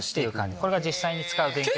これが実際に使う電極。